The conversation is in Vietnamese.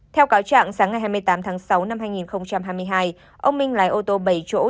theo cáo trạng sáng ngày hai mươi tám tháng sáu năm hai nghìn hai mươi hai ông minh lái ô tô bảy chỗ